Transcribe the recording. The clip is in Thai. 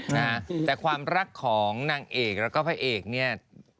นะฮะแต่ความรักของนางเอกแล้วก็พระเอกเนี่ย